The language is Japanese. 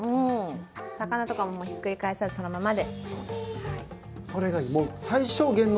魚とかもひっくり返さずそのままで。